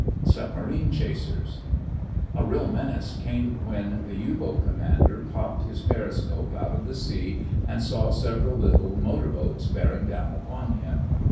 SUBMARINE CHASERS A real menace came when the U boat commander popped his periscope out of the sea and saw several little motor boats bearing down upon him.